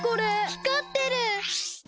ひかってる！